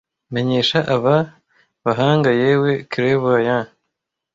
menyesha aba bahanga yewe clairvoyants